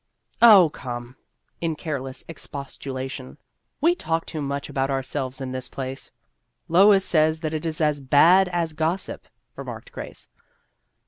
" Oh, come," in careless expostulation, " we talk too much about ourselves in this place." " Lois says that it is as bad as gossip," remarked Grace.